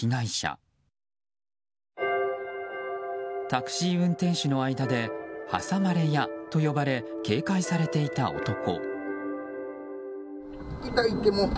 タクシー運転手の間ではさまれ屋と呼ばれ警戒されていた男。